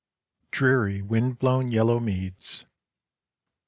DREARY WINDBLOWN YELLOW MEADS.